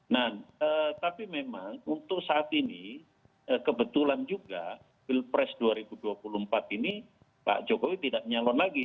nah tapi memang untuk saat ini kebetulan juga pilpres dua ribu dua puluh empat ini pak jokowi tidak nyalon lagi